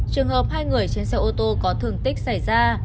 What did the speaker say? trường hợp hai người trên xe ô tô có thường tích xảy ra